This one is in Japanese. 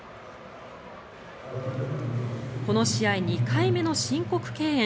この試合２回目の申告敬遠。